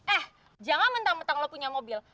eh jangan mentang mentang lo punya mobil